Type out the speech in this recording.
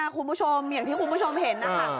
คุณผู้ชมอย่างที่คุณผู้ชมเห็นนะคะ